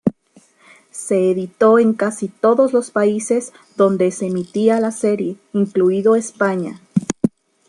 Se editó en casi todos los países donde se emitía la serie, incluido España.